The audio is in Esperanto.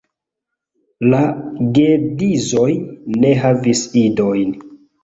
La geedzoj ne havis idojn.